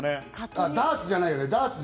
ダーツじゃないよね？